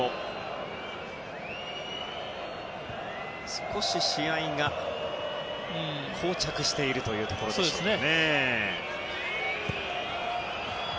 少し試合がこう着しているというところですかね。